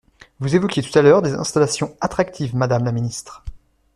Vous évoquiez tout à l’heure des installations « attractives », madame la ministre.